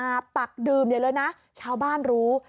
อาบตักดื่มเดี๋ยวเลยนะชาวบ้านรู้